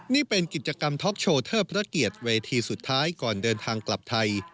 นี่เป็นกิจกรรมท็อปโชว์เทิดพระเกียรติเวทีสุดท้ายก่อนเดินทางกลับไทย